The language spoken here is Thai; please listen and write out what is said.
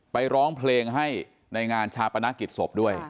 ร้องเพลงให้ในงานชาปนกิจศพด้วย